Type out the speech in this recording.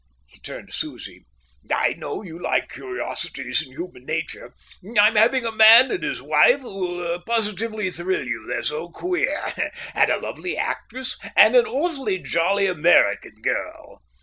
He turned to Susie: "I know you like curiosities in human nature; I'm having a man and his wife who will positively thrill you, they're so queer, and a lovely actress, and an awfully jolly American girl."